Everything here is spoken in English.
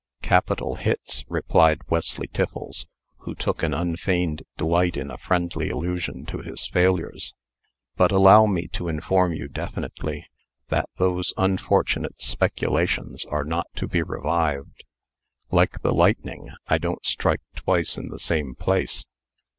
"Capital hits!" replied Wesley Tiffles, who took an unfeigned delight in a friendly allusion to his failures. "But allow me to inform you definitely, that those unfortunate speculations are not to be revived. Like the lightning, I don't strike twice in the same place.